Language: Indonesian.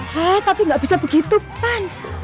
hah tapi nggak bisa begitu pan